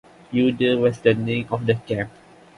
Yoder was the name of the camp.